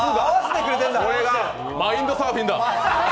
これがマインドサーフィンだ！